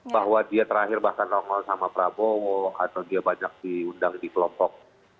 bahwa dia terakhir bahkan nongol sama prabowo atau dia banyak diundang di kelompok